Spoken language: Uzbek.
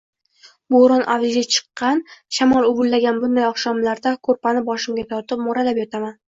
Boʻron avjiga chiqqan, shamol uvillagan bunday oqshomlarda koʻrpani boshimgacha tortib, moʻralab yotaman